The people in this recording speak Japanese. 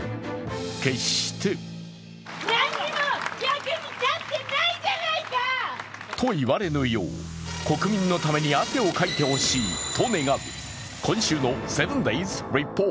決してと言われぬよう、国民のために汗をかいてほしいと願う。